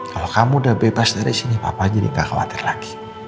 kalau kamu udah bebas dari sini papa jadi gak khawatir lagi